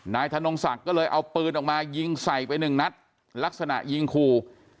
นายถนนกศักดิ์ก็เลยเอาปืนออกมายิงใส่ไป๑นัดลักษณะยิงคู่